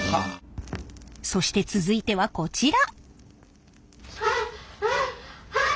そして続いてはこちら！